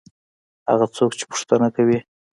هغه څوک چې پوښتنه کوي.